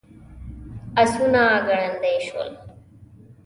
آسونه ګړندي شول.